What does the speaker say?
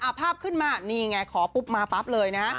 ภาพขึ้นมานี่ไงขอปุ๊บมาปั๊บเลยนะ